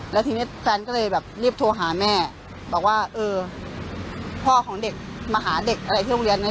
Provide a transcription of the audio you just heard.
แล้วทีนี้แฟนก็เลยแบบรีบโทรหาแม่บอกว่าเออพ่อของเด็กมาหาเด็กอะไรที่โรงเรียนนะ